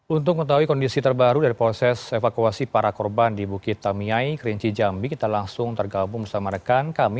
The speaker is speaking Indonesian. untuk mengetahui kondisi terbaru dari proses evakuasi para korban di bukit tamiai kerinci jambi kita langsung tergabung bersama rekan kami